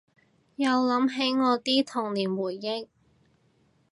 又諗起我啲童年回憶